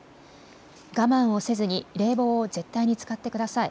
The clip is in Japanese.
我慢をせずに冷房を絶対に使ってください。